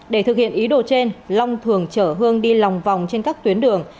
để thực hiện ý đồ trên long thường chở hương đi lòng vòng trên các tuyến đường